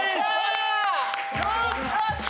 よし！